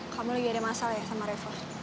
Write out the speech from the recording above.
kamu lagi ada masalah ya sama revo